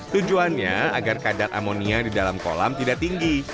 tujuannya agar kadar amonia di dalam kolam tidak tinggi